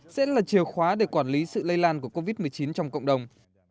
sẽ là chìa khóa để quản lý sự lây lan của covid một mươi chín trong cộng đồng